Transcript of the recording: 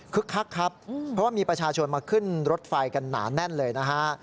คักครับเพราะว่ามีประชาชนมาขึ้นรถไฟกันหนาแน่นเลยนะฮะ